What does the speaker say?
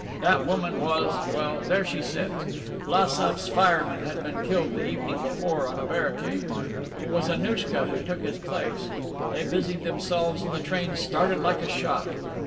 That woman was well, there she sits. Vlassof's fireman had been killed the evening before, on a barricade; it was Annouchka who took his place. They busied themselves and the train started like a shot.